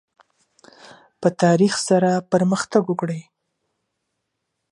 په تدریج سره پرمختګ وکړئ.